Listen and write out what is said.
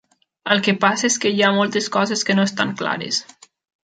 El que passa és que hi ha moltes coses que no estan clares.